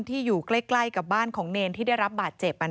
อยู่ใกล้กับบ้านของเนรที่ได้รับบาดเจ็บ